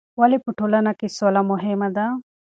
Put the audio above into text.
ولې په ټولنه کې سوله مهمه ده؟